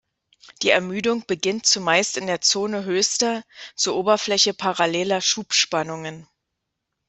Die Ermüdung beginnt zumeist in der Zone höchster, zur Oberfläche paralleler Schubspannungen.